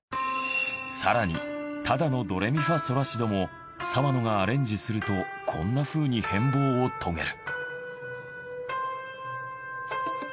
更にただのドレミファソラシドも澤野がアレンジするとこんなふうに変貌を遂げる。